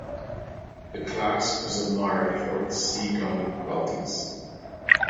This class was admired for its sea-going qualities.